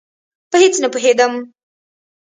په هېڅ نه پوهېدم.